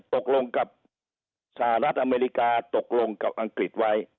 ตกลงกับสหรัฐอเมริกาตกลงกับอังกฤษไว้